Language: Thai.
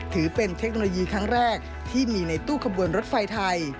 ถือเป็นเทคโนโลยีครั้งแรกที่มีในตู้ขบวนรถไฟไทย